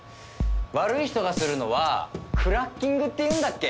悪い人がするのはクラッキングっていうんだっけ？